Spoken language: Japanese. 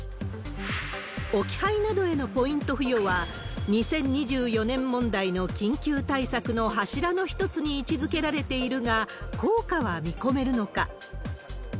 置き配などへのポイント付与は、２０２４年問題の緊急対策の柱の一つに位置づけられているが、効果は見込めるのか。